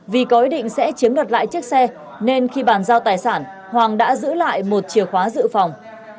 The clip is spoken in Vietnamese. vì có ý định sẽ chiếm đoạt lại chiếc xe nên khi bàn giao tài sản hoàng đã giữ lại một chìa khóa dự phòng